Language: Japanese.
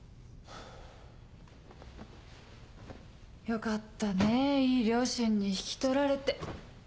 よかったねぇいい両親に引き取られて。